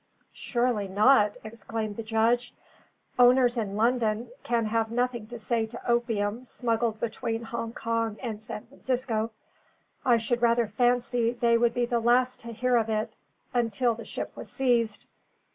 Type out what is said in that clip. "Surely not!" exclaimed the judge. "Owners in London can have nothing to say to opium smuggled between Hong Kong and San Francisco. I should rather fancy they would be the last to hear of it until the ship was seized.